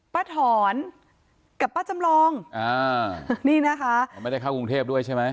ป้าถอนกับป้าจำลองอ่านี่นะคะเขาไม่ได้เข้ากรุงเทพด้วยใช่ไหม